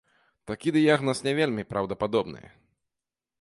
Такі дыягназ не вельмі праўдападобны.